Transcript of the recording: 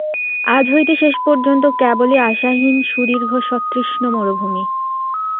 আজ হইতে শেষ পর্যন্ত কেবলই আশাহীন সুদীর্ঘ সতৃষ্ণ মরুভূমি।